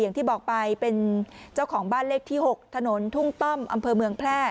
อย่างที่บอกไปเป็นเจ้าของบ้านเลขที่๖ถนนทุ่งต้อมอำเภอเมืองแพร่